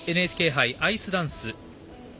ＮＨＫ杯アイスダンス。